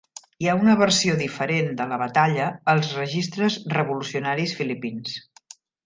Hi ha una versió diferent de la batalla als registres revolucionaris filipins.